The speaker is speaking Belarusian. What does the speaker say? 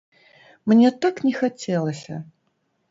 Мне так не хацелася!